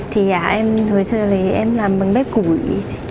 thì hồi xưa em làm bằng bếp củi